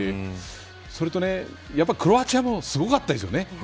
それと、やっぱりクロアチアもすごかったですよね。